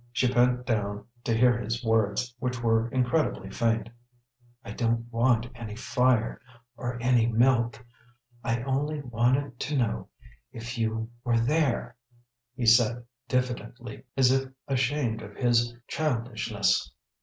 She bent down to hear his words, which were incredibly faint. "I don't want any fire or any milk. I only wanted to know if you were there," he said diffidently, as if ashamed of his childishness.